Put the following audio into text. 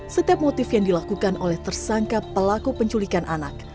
setiap motif yang dilakukan oleh tersangka pelaku penculikan anak